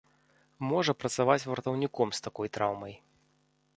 Можа працаваць вартаўніком з такой траўмай.